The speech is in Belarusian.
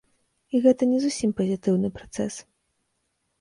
І гэта не зусім пазітыўны працэс.